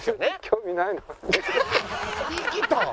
「言い切ったわ！」